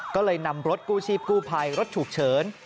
ก็เลยนำรถกู้ชีพกู้ภัยรถฉุกเฉิน